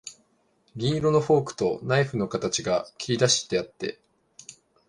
銀色のフォークとナイフの形が切りだしてあって、